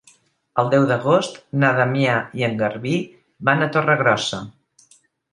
El deu d'agost na Damià i en Garbí van a Torregrossa.